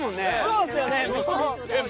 そうですよねもう。